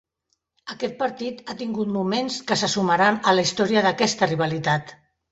Aquest partit ha tingut moments que se sumaran a la història d'aquesta rivalitat.